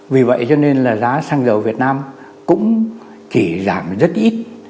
vì vậy cho nên là giá xăng dầu việt nam cũng chỉ giảm rất ít